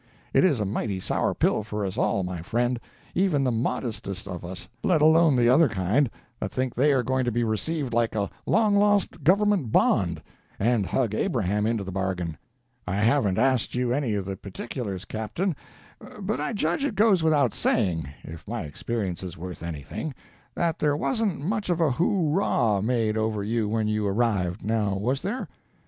It is a mighty sour pill for us all, my friend—even the modestest of us, let alone the other kind, that think they are going to be received like a long lost government bond, and hug Abraham into the bargain. I haven't asked you any of the particulars, Captain, but I judge it goes without saying—if my experience is worth anything—that there wasn't much of a hooraw made over you when you arrived—now was there?"